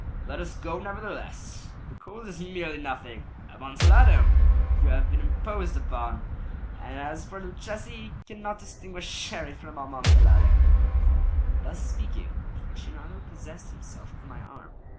"Let us go, nevertheless. The cold is merely nothing. Amontillado! You have been imposed upon. And as for Luchesi, he cannot distinguish Sherry from Amontillado." Thus speaking, Fortunato possessed himself of my arm.